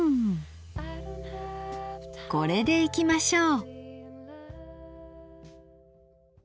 これでいきましょう。